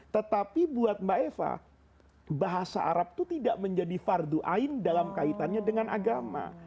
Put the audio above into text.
tetapi buat mbak eva bahasa arab itu tidak menjadi fardu ain dalam kaitannya dengan agama